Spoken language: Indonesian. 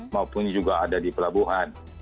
maupun juga ada di pelabuhan